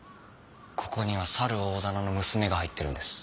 ここにはさる大店の娘が入ってるんです。